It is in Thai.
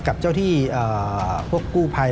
กับเจ้าที่พวกกู้ภัย